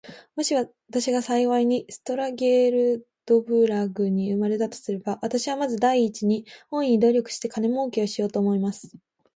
もし私が幸いにストラルドブラグに生れたとすれば、私はまず第一に、大いに努力して金もうけをしようと思います。